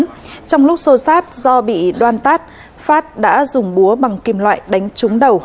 trong lúc xô xát do bị đoan tát phát đã dùng búa bằng kim loại đánh trúng đầu